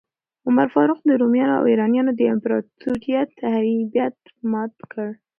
عمر فاروق د رومیانو او ایرانیانو د امپراتوریو هیبت مات کړ.